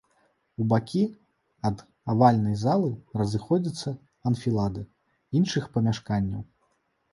У бакі ад авальнай залы разыходзяцца анфілады іншых памяшканняў.